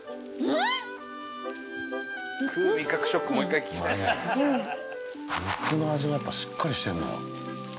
肉の味がしっかりしてるな。